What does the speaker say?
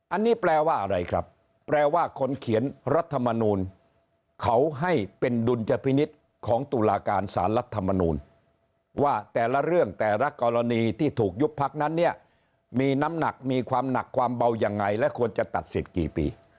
อันนี้แปลว่าอะไรครับแปลว่าคนเขียนรัฐมนูลเขาให้เป็นดุลยพินิษฐ์ของตุลาการสารรัฐมนูลว่าแต่ละเรื่องแต่ละกรณีที่ถูกยุบพักนั้นเนี่ยมีน้ำหนักมีความหนักความเบายังไงและควรจะตัดสิทธิ์กี่ปี